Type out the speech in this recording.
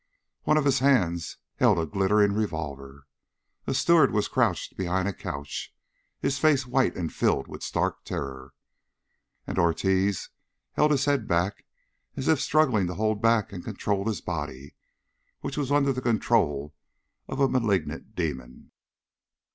One of the hands held a glittering revolver. A steward was crouched behind a couch, his face white and filled with stark terror. And Ortiz held his head back, as if struggling to hold back and control his body, which was under the control of a malignant demon.